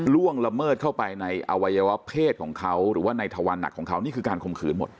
ล่วงละเมิดเข้าไปในอวัยวะเพศของเขาหรือว่าในทวันหนักของเขานี่คือการข่มขืนหมด